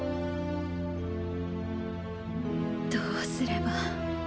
どうすれば。